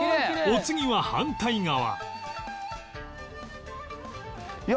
お次は反対側